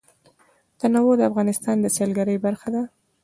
تنوع د افغانستان د سیلګرۍ برخه ده.